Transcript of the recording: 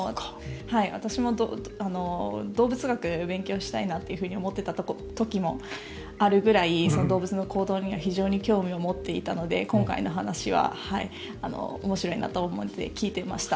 私も動物学を勉強したいなと思っていた時もあるぐらい動物の行動には非常に興味を持っていたので今回の話は、面白いなと思って聞いていました。